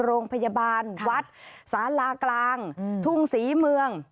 โรงพยาบาลวัดสาลากลางทุ่งศรีเมือง